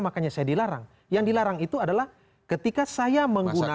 makanya saya dilarang yang dilarang itu adalah ketika saya menggunakan